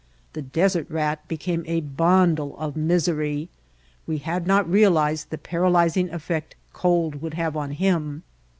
The "desert rat" became a bundle of misery. We had not realized the para lyzing effect cold would have on him.